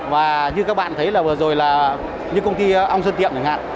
và như các bạn thấy là vừa rồi là những công ty ong sơn tiệm chẳng hạn